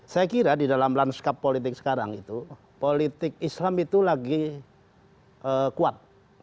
saya kira di dalam lanskap politik sekarang itu politik islam itu lagi kuat